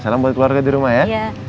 salam buat keluarga di rumah ya